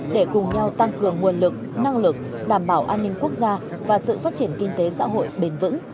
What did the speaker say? để cùng nhau tăng cường nguồn lực năng lực đảm bảo an ninh quốc gia và sự phát triển kinh tế xã hội bền vững